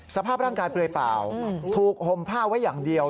สภาพร่างกายเปลือยเปล่าถูกห่มผ้าไว้อย่างเดียว